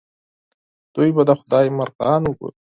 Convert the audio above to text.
دوی به د خدای مرغان وګوري.